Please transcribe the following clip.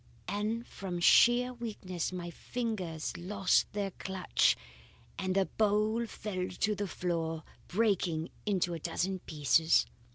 And from sheer weakness my fingers lost their clutch, and the bowl fell to the floor, breaking into a dozen pieces.